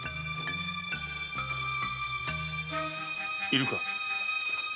いるか？